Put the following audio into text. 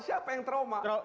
siapa yang trauma